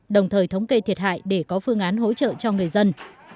đồng thời thống kê thiệt hại để có phương án hỗ trợ cho người dân